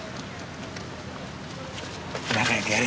仲良くやれ。